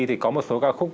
thì có một số ca khúc